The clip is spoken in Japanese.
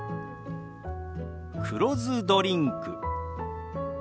黒酢ドリンク。